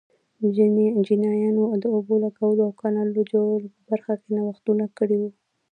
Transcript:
چینایانو د اوبو لګولو او کانالونو جوړولو په برخه کې نوښتونه کړي وو.